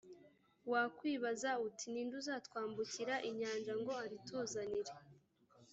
wakwibaza uti «ni nde uzatwambukira inyanja ngo arituzanire,